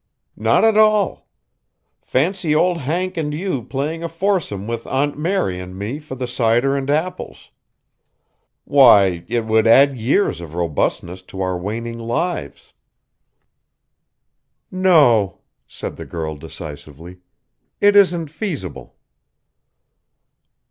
"Not at all. Fancy old Hank and you playing a foursome with Aunt Mary and me for the cider and apples. Why, it would add years of robustness to our waning lives." "No," said the girl decisively. "It isn't feasible."